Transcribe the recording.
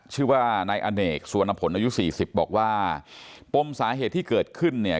ชื่อว่านายอเนกสุวรรณผลอายุสี่สิบบอกว่าปมสาเหตุที่เกิดขึ้นเนี่ย